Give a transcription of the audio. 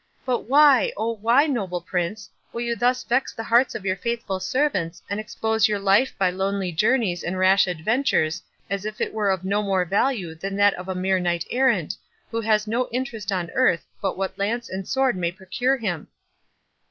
But why, oh why, noble Prince, will you thus vex the hearts of your faithful servants, and expose your life by lonely journeys and rash adventures, as if it were of no more value than that of a mere knight errant, who has no interest on earth but what lance and sword may procure him?"